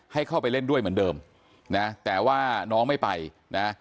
ให้เข้าไปเล่นด้วยเหมือนเดิมนะแต่ว่าน้องไม่ไปนะ